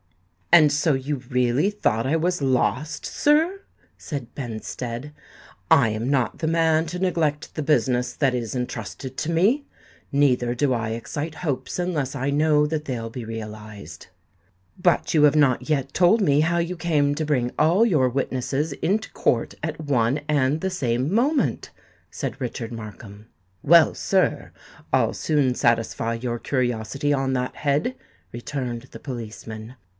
"And so you really thought I was lost, sir?" said Benstead. "I am not the man to neglect the business that is entrusted to me; neither do I excite hopes unless I know that they'll be realised." "But you have not yet told me how you came to bring all your witnesses into court at one and the same moment," said Richard Markham. "Well, sir, I'll soon satisfy your curiosity on that head," returned the policeman.